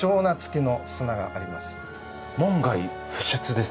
門外不出ですか？